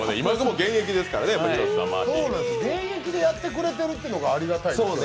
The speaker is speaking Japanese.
現役でやってくれてるのがありがたいですよね。